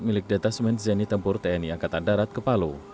milik detasmen zeni tempur tni angkatan darat ke palu